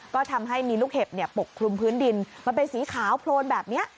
ก็ทำให้มีลูกเห็บปกคลุมพื้นดินมันเป็นสีขาวโพลนแบบนี้